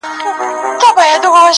پر نغمو پر زمزمو چپاو راغلى!!